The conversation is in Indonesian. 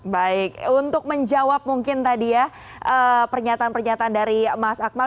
baik untuk menjawab mungkin tadi ya pernyataan pernyataan dari mas akmal